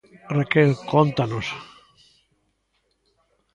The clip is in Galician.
Raquel, cóntanos...